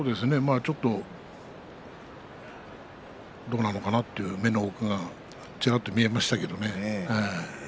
ちょっとどうなのかなという目の奥がちらっと見えましたけれど。